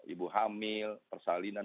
ibu hamil persalinan